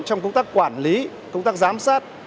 trong công tác quản lý công tác giám sát